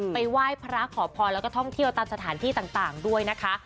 ไหว้พระขอพรแล้วก็ท่องเที่ยวตามสถานที่ต่างด้วยนะคะ